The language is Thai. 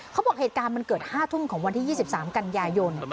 เขาบอกเหตุการณ์มันเกิด๕ทุ่มของวันที่๒๓กันยายน